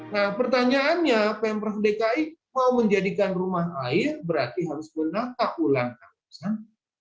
nah pertanyaannya pemprov dki mau menjadikan rumah air berarti harus menata ulang kawasan